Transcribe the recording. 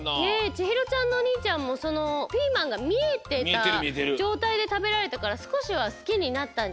ちひろちゃんのおにいちゃんもそのピーマンがみえてたじょうたいでたべられたからすこしはスキになったんじゃない？